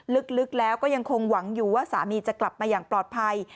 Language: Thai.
ลึกแล้วก็ยังคงหวังอยู่ว่าสามีจะกลับมาอย่างปลอดภัย